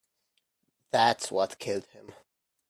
That's what killed him.